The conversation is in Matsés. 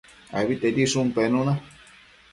Abitedishun penuna